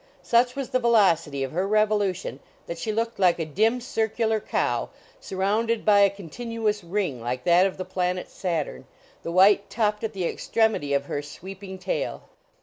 Such was the velocity of her revolution that she looked like a dim, circular cow, surrounded by a continuous ring like that of the planet Saturn the white tuft at the extremity of her sweeping tail!